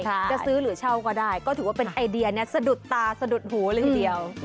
จะซื้อหรือเช่าก็ได้ก็ถือว่าเป็นไอเดียสะดุดตาสะดุดหูเลยทีเดียว